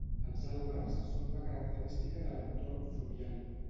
Els àlbers són una característica de l'entorn fluvial.